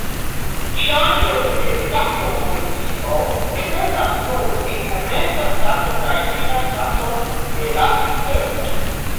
Ŝanĝo de stato-funkcio dependas nur de komenca stato kaj fina stato de la sistemo.